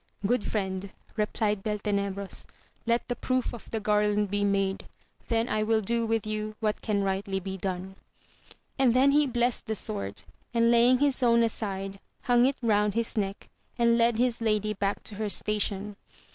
Good friend, replied BQltenebros, let the proof of the garland be made, th^ I will do with you what can rightly be done. And then he blessed the sword, and laying his own aside, hung it round his neck, and led his lady back to her station.